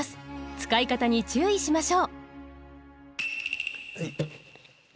使い方に注意しましょう。